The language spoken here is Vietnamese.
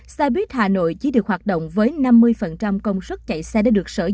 xe bus hà nội chỉ được hoạt động với năm mươi công suất chạy xe đã được sở